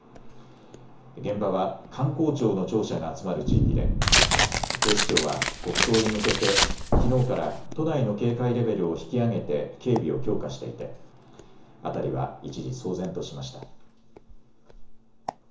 現場は官公庁の庁舎が集まる地域で警視庁は国葬に向けてきのうから都内の警戒レベルを引き上げて警備を強化していて辺りは一時、騒然としました。